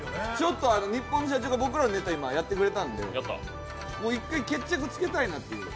ニッポンの社長が僕らのネタ、やってくれたんで一回、決着つけたいなと。